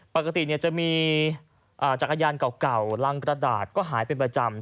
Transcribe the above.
ปกติจะมีจักรยานเก่ารังกระดาษก็หายเป็นประจำ